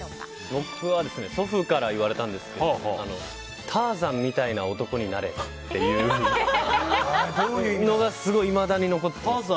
僕は祖父から言われたんですがターザンみたいな男になれっていうのがすごい、いまだに残ってます。